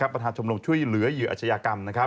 ประธานชมรมช่วยเหลือเหยื่ออาชญากรรม